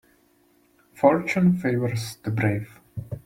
Fortune favours the brave.